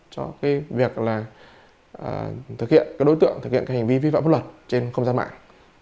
cho việc thực hiện đối tượng thực hiện hành vi vi phạm pháp luật trên không gian mạng